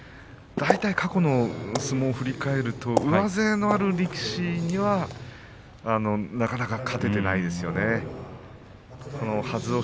大体、過去の相撲を振り返りますと上背のある力士にはなかなか勝てていませんね。